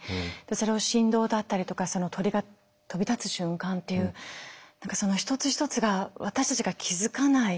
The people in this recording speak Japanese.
それを振動だったりとか鳥が飛び立つ瞬間っていうその一つ一つが私たちが気付かない